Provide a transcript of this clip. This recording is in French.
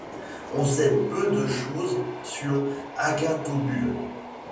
On sait peu de choses sur Agathobule.